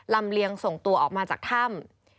เลียงส่งตัวออกมาจากถ้ำ